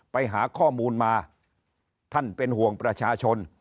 ไปหาข้อมูลมาท่านเป็นห่วงประชาชน